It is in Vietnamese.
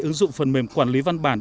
ứng dụng phần mềm quản lý văn bản